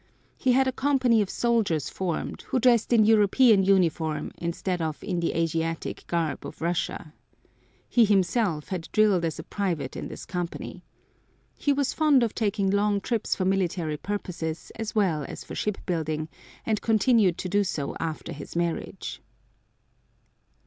He had a company of soldiers formed, who dressed in European uniform instead of in the Asiatic garb of Russia. He himself had drilled as a private in this company. He was fond of taking long trips for military purposes as well as for shipbuilding, and continued to do so after his marriage.